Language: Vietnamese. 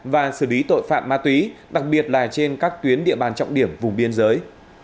và xử lý tội phạm ma túy đặc biệt là trên các tuyến địa bàn trọng điểm vùng biên giới